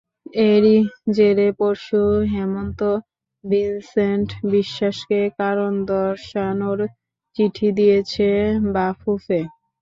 এরই জেরে পরশু হেমন্ত ভিনসেন্ট বিশ্বাসকে কারণ দর্শানোর চিঠি দিয়েছে বাফুফে।